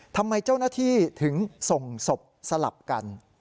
ทำไมเจ้าหน้าที่ถึงส่งศพสลับกัน